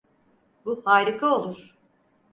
Bu harika olur.